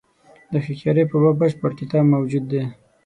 د هوښیاري په باب بشپړ کتاب موجود دی.